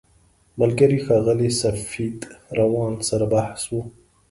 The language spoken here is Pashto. ملګري ښاغلي سفید روان سره بحث و.